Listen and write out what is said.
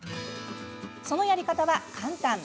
そのやり方は簡単。